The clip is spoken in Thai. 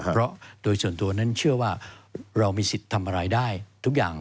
เพราะโดยส่วนตัวนั้นเชื่อว่าเรามีสิทธิ์ทำอะไรได้ทุกอย่าง